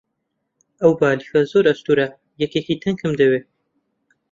ئەو بالیفە زۆر ئەستوورە، یەکێکی تەنکم دەوێ.